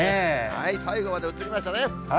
最後まで映りましたね。